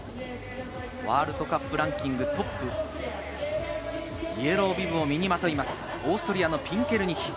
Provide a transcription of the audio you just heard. ワールドカップランキングトップ、イエロービブを身にまといます、オーストリアのピンケルニヒ。